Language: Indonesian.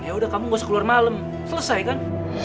ya udah kamu gak usah keluar malam selesai kan